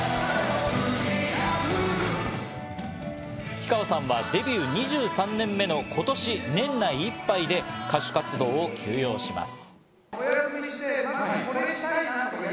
氷川さんはデビュー２３年目の今年、年内いっぱいで歌手活動を休養します。